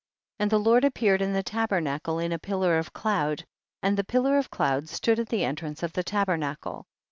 2. And the Lord appeared in the tabernacle in a pillar of cloud, and the pillar of cloud stood at the en trance of the tabernacle.